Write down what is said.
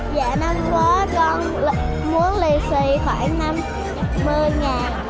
về năm cuối con muốn lì xì khoảng năm mươi ngàn